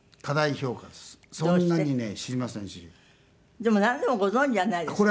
でもなんでもご存じじゃないですか。